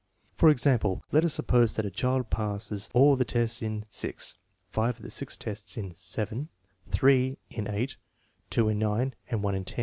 For example, let us suppose that a child passes all the tests in VI, five of the six tests in VII, three in VIII, two in IX, and one in X.